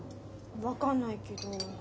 分かんないけど。